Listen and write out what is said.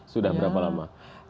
sudah berapa lama